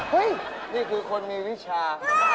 เฮ่ยนี่คือคนมีวิชา